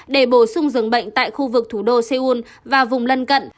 để bổ sung dường bệnh tại khu vực thủ đô seoul và vùng lân cận